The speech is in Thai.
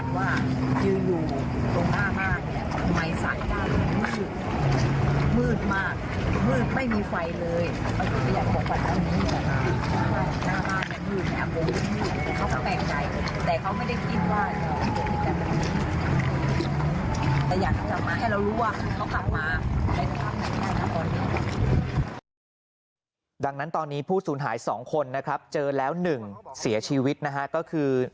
ดังนั้นตอนนี้ผู้สูญหาย๒คนนะครับเจอแล้ว๑เสียชีวิตนะฮะก็คือ